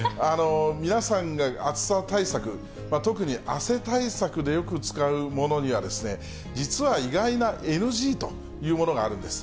皆さんが暑さ対策、特に汗対策でよく使うものには、実は意外なＮＧというものがあるんです。